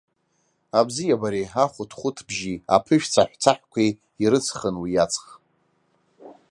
Абзиабареи, ахәыҭхәыҭбжьи, аԥышә цаҳә-цаҳәқәеи ирыҵхын уи аҵх.